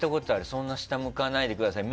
そんな下向かないでください。